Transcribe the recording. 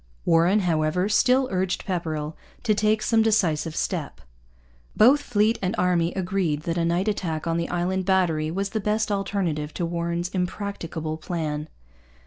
Warren, however, still urged Pepperrell to take some decisive step. Both fleet and army agreed that a night attack on the Island Battery was the best alternative to Warren's impracticable plan.